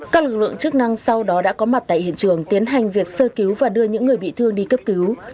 các lực lượng chức năng sau đó đã có mặt tại hiện trường tiến hành việc sơ cứu và đưa những người bị thương đi cấp cứu